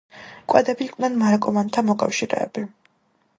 კვადები იყვნენ მარკომანთა მოკავშირეები.